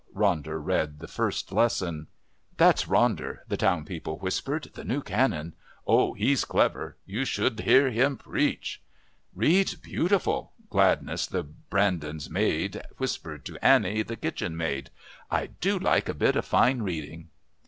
Ronder read the First Lesson. "That's Ronder," the town people whispered, "the new Canon. Oh! he's clever. You should hear him preach!" "Reads beautiful!" Gladys, the Brandons' maid, whispered to Annie, the kitchen maid. "I do like a bit of fine reading."